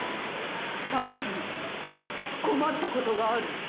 最近困った事がある？